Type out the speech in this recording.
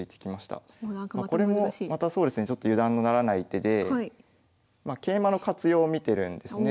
これもまたそうですねちょっと油断のならない手で桂馬の活用を見てるんですね。